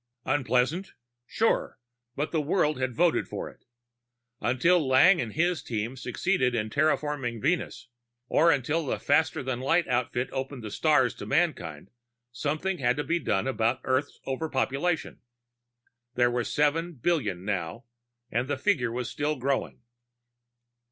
Unpleasant? Sure. But the world had voted for it. Until Lang and his team succeeded in terraforming Venus, or until the faster than light outfit opened the stars to mankind, something had to be done about Earth's overpopulation. There were seven billion now and the figure was still growing.